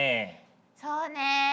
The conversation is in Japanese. そうね